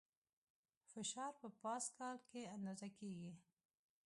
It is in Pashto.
فشار په پاسکال کې اندازه کېږي.